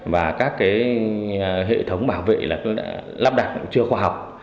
và các hệ thống bảo vệ lắp đặt chưa khoa học